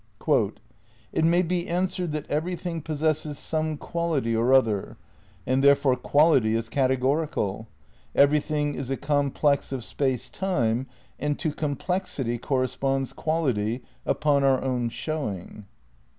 "It may be answered that everything possesses some quality or other, and therefore quality is categorial; everything is a complex of Space Time and to complexity corresponds quality, upon our own showing."